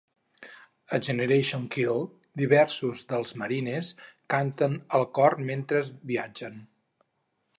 A "Generation Kill" diversos dels marines canten el cor mentre viatgen.